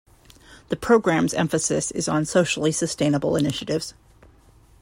The programme's emphasis is on socially sustainable initiatives.